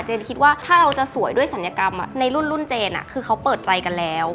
คิดว่าถ้าเราจะสวยด้วยศัลยกรรมในรุ่นเจนคือเขาเปิดใจกันแล้ว